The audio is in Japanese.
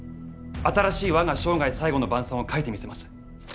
新しい「我が生涯最後の晩餐」を書いてみせます。